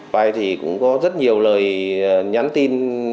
vậy thì cũng có rất nhiều lời nhắn tin